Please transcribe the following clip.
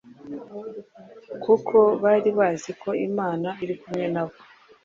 kuko bari bazi ko Imana iri kumwe na bo